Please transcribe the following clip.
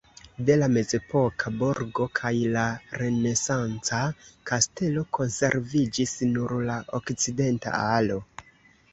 De la mezepoka burgo kaj la renesanca kastelo konserviĝis nur la okcidenta alo.